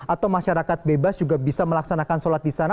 atau masyarakat bebas juga bisa melaksanakan sholat disana